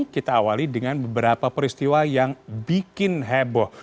kita awali dengan beberapa peristiwa yang bikin heboh